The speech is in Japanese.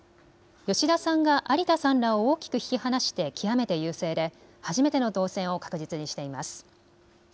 吉田さんが有田さんらを大きく引き離して極めて優勢で初めての当選を確実にしています。